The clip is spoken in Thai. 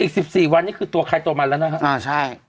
อีกสิบสี่วันนี้คือตัวไขตัวมันแล้วนะฮะอ่าใช่